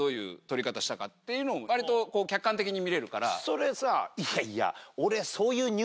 それさ「いやいや俺」。